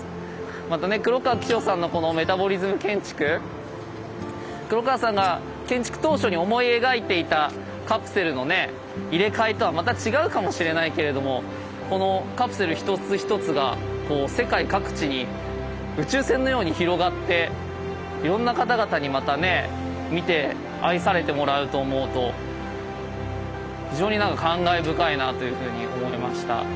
またね黒川紀章さんのこのメタボリズム建築黒川さんが建築当初に思い描いていたカプセルのね入れ替えとはまた違うかもしれないけれどもこのカプセル一つ一つが世界各地に宇宙船のように広がっていろんな方々にまたね見て愛されてもらうと思うと非常になんか感慨深いなというふうに思いました。